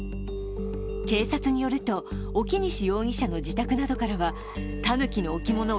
警察によると、沖西容疑者の自宅などからはたぬきの置物